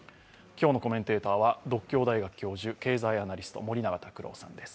今日のコメンテーターは獨協大学教授、経済アナリストの森永卓郎さんです。